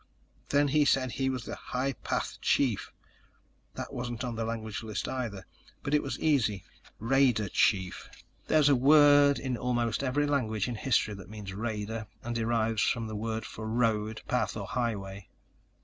"Then he said he was High Path Chief. That wasn't on the language list, either. But it was easy: Raider Chief. There's a word in almost every language in history that means raider and derives from a word for road, path or highway."